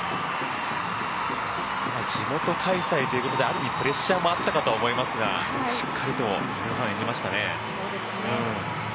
地元開催ということである意味、プレッシャーもあったかとは思いますがしっかりとフープを演じましたね。